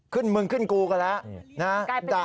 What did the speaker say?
ขึ้นเมืองขึ้นกูก็แล้วนะ